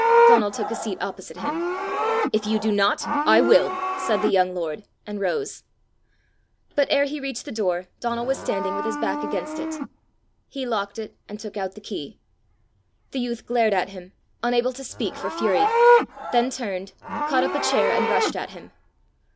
Donal took a seat opposite him. "If you do not, I will!" said the young lord, and rose. But ere he reached the door, Donal was standing with his back against it. He locked it, and took out the key. The youth glared at him, unable to speak for fury, then turned, caught up a chair, and rushed at him.